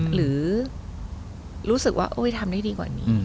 หรือรู้สึกว่าทำได้ดีกว่านี้